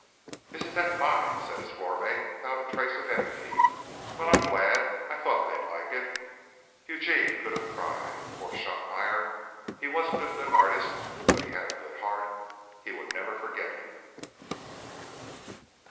"Isn't that fine," said his floor mate, without a trace of envy. "Well, I'm glad. I thought they'd like it." Eugene could have cried. Poor Shotmeyer! He wasn't a good artist, but he had a good heart. He would never forget him.